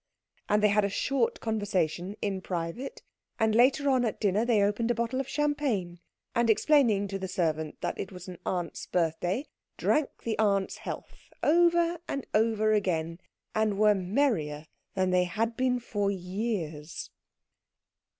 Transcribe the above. And they had a short conversation in private, and later on at dinner they opened a bottle of champagne, and explaining to the servant that it was an aunt's birthday, drank the aunt's health over and over again, and were merrier than they had been for years.